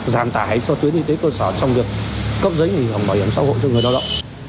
giảm tải cho tuyến y tế cơ sở trong việc cấp giấy hưởng bảo hiểm xã hội cho người lao động